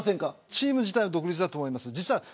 チーム自体は独立だと思います。